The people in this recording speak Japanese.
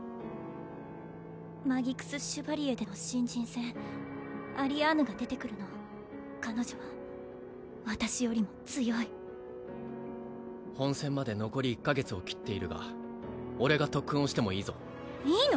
マギクス・シュバリエでの新人戦アリアーヌが出てくるの彼女は私よりも強い本戦まで残り１カ月を切っているが俺が特訓をしてもいいぞいいの？